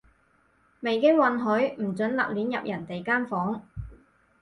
未經允許，唔准立亂入人哋間房